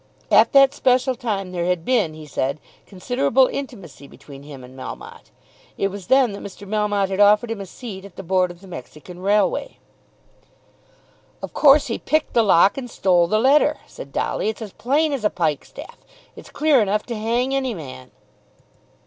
At that special time there had been, he said, considerable intimacy between him and Melmotte. It was then that Mr. Melmotte had offered him a seat at the Board of the Mexican railway. "Of course he picked the lock, and stole the letter," said Dolly. "It's as plain as a pike staff. It's clear enough to hang any man."